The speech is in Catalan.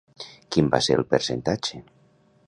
Quin va ser el percentatge?